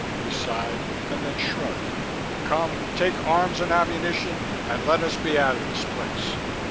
He sighed, and then shrugged. "Come, take arms and ammunition and let us be out of this place.